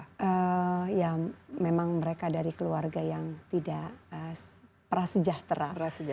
lihat memang mereka dari keluarga yang tidak prasejahtera